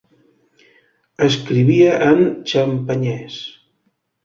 Escrivia en xampanyès.